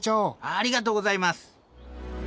ありがとうございます。